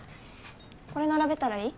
これ並べたらいい？